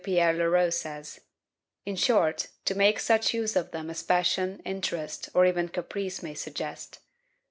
Pierre Leroux says; in short, to make such use of them as passion, interest, or even caprice, may suggest.